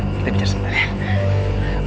kita bicara sebentar ya